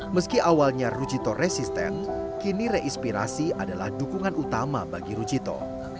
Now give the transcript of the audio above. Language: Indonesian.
meski awalnya rujito resisten kini reinspirasi adalah dukungan utama bagi rujito